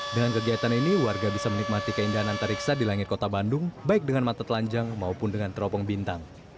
dengan kegiatan ini warga bisa menikmati keindahan antariksa di langit kota bandung baik dengan mata telanjang maupun dengan teropong bintang